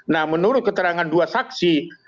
nah menurut keterangan dua saksi